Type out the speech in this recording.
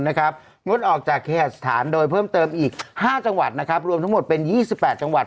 งดออกจากเคหสถานโดยเพิ่มเติมอีก๕จังหวัดรวมทั้งหมดเป็น๒๘จังหวัด